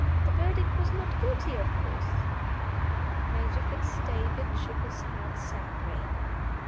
The Verdict was Not Guilty, of course?" Major Fitz David shook his head sadly.